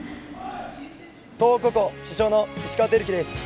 東邦高校主将の石川瑛貴です。